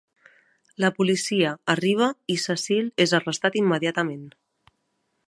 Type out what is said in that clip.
La policia arriba i Cecil és arrestat immediatament.